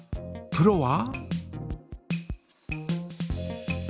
プロは？